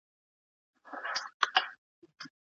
که تدریس وضاحت ولري، شک نه پاته کېږي.